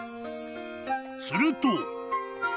［すると］